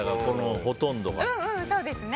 ほとんどが。